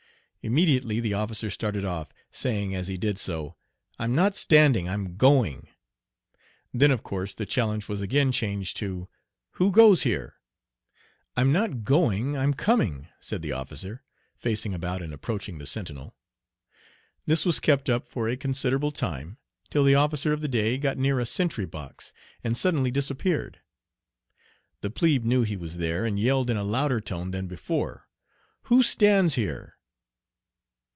Immediately the officer started off, saying as he did so, "I'm not standing; I'm going." Then of course the challenge was again changed to, "Who goes here? "I'm not going; I'm coming," said the officer, facing about and approaching the sentinel. This was kept up for a considerable time, till the officer of the day got near a sentry box and suddenly disappeared. The plebe knew he was there, and yelled in a louder tone than before, "Who stands here?